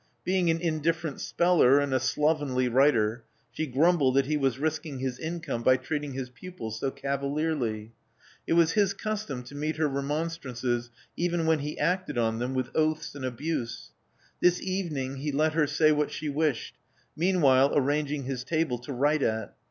Being an indifferent speller and a slovenly writer, she grumbled that he was risking his income by treating his pupils so cavalierly. It was his custom to meet her remon strances, even when he acted on them, with oaths and abuse. This evening he let her say what she wished, meanwhile arranging his table to write at.